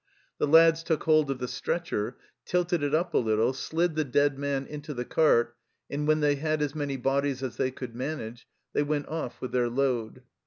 The lads took hold of the stretcher, tilted it up a little, slid the dead man into the cart, and when they had as many bodies as they could manage they went off with their load.